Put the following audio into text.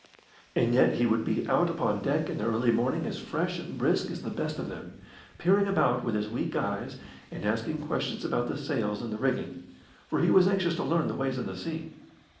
And yet be would be out upon deck in the early morning as fresh and brisk as the best of them, peering about with his weak eyes, and asking questions about the sails and the rigging, for he was anxious to learn the ways of the sea.